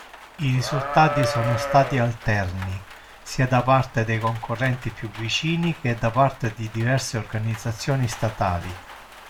I risultati sono stati alterni, sia da parte dei concorrenti più vicini che da parte di diverse organizzazioni statali.